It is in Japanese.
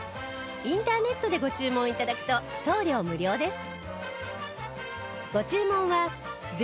インターネットでご注文頂くと送料無料です